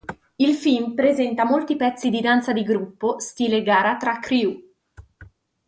Il film presenta molti pezzi di danza di gruppo, stile gara tra crew.